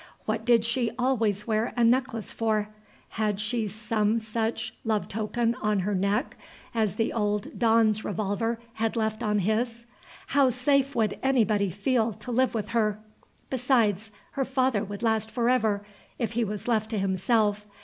What did she always wear a necklace for? Had she some such love token on her neck as the old Don's revolver had left on his? How safe would anybody feel to live with her? Besides, her father would last forever, if he was left to himself.